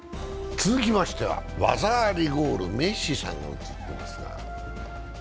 続きましては技ありゴール、メッシさんが写っていますが。